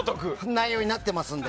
内容になってますので。